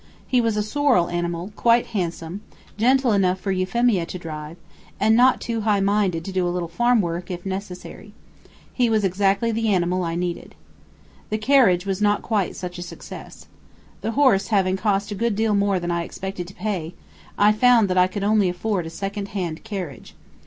He was a sorrel animal, quite handsome, gentle enough for Euphemia to drive, and not too high minded to do a little farm work, if necessary. He was exactly the animal I needed. The carriage was not quite such a success. The horse having cost a good deal more than I expected to pay, I found that I could only afford a second hand carriage.